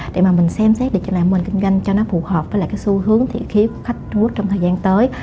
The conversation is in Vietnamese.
để mà mình xem xét để cho lại mô hình kinh doanh cho nó phù hợp với lại cái xu hướng thị khí của khách trung quốc trong thời gian tới